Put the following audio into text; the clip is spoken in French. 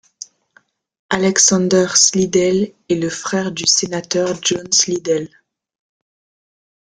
Alexander Slidell est le frère du sénateur John Slidell.